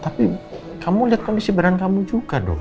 tapi kamu lihat kondisi badan kamu juga dong